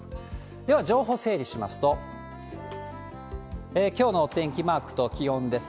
では、情報整理しますと、きょうのお天気マークと気温です。